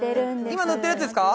今塗ってるやつですか？